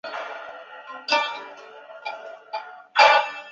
窄额滑虾蛄为虾蛄科滑虾蛄属下的一个种。